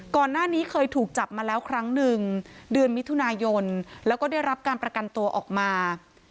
ก่อนหน้านี้เคยถูกจับมาแล้วครั้งหนึ่งเดือนมิถุนายนแล้วก็ได้รับการประกันตัวออกมา